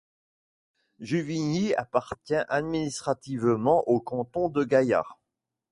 Juvigny appartient administrativement au canton de Gaillard.